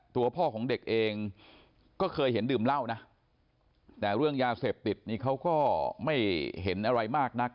ตัวพ่อของเด็กเองก็เคยเห็นดื่มเหล้านะแต่เรื่องยาเสพติดนี่เขาก็ไม่เห็นอะไรมากนัก